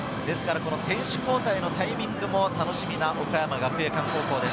選手交代のタイミングも楽しみな岡山学芸館です。